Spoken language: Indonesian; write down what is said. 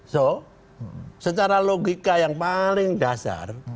so secara logika yang paling dasar